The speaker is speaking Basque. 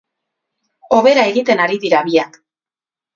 Hobera egiten ari dira biak.